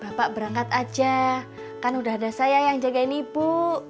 bapak berangkat aja kan udah ada saya yang jagain ibu